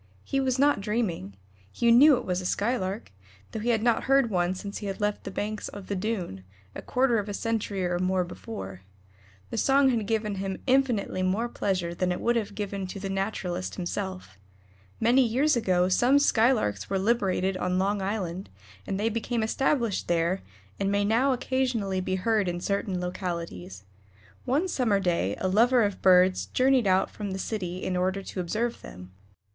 He was not dreaming; he knew it was a Skylark, though he had not heard one since he had left the banks of the Doon, a quarter of a century or more before. The song had given him infinitely more pleasure than it would have given to the naturalist himself. Many years ago some Skylarks were liberated on Long Island, and they became established there, and may now occasionally be heard in certain localities. One summer day a lover of birds journeyed out from the city in order to observe them.